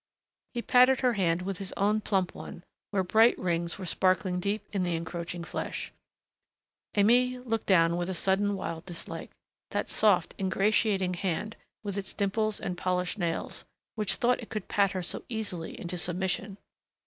He patted her hand with his own plump one where bright rings were sparkling deep in the encroaching flesh. Aimée looked down with a sudden wild dislike.... That soft, ingratiating hand, with its dimples and polished nails, which thought it could pat her so easily into submission....